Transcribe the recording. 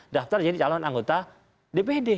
daftar jadi calon anggota dpd